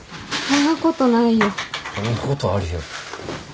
そんなことあるよ。